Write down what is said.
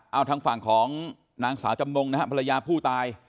เอาทางฝั่งของนางสาวจำนงนะฮะภรรยาผู้ตาย